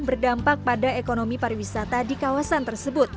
berdampak pada ekonomi pariwisata di kawasan tersebut